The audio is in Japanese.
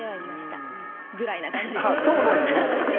ぐらいな感じです。